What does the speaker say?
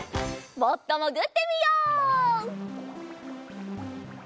もっともぐってみよう。